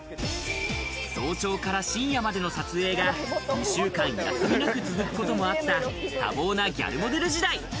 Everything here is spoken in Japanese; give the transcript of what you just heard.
早朝から深夜までの撮影が２週間、休みなく続くこともあった多忙なギャルモデル時代。